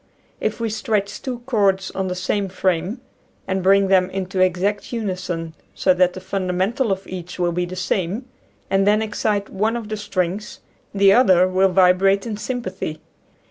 If we stretch two cords on the same frame and bring them into exact uni son, so that the fundamental of each will be the same, and then excite one of the strings, the other will vibrate in sympathy.